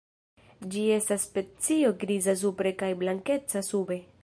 Ĝi estas specio griza supre kaj blankeca sube.